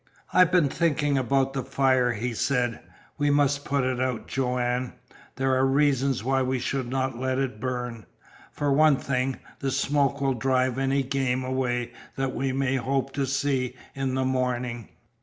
"I've been thinking about the fire," he said. "We must put it out, Joanne. There are reasons why we should not let it burn. For one thing, the smoke will drive any game away that we may hope to see in the morning."